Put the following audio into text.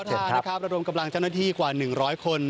ใช่นะครับระดมกำลังเจ้าหน้าที่กว่า๑๐๐คน